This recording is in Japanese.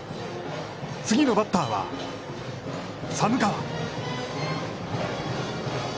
次のバッターは、寒川。